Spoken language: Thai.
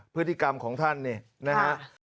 พฤติกรรมของท่านนี่นะครับ